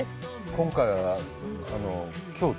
今回は京都？